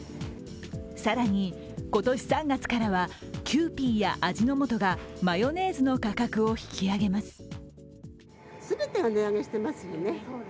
更に、今年３月からはキユーピーや味の素がマヨネーズの価格を引き上げます。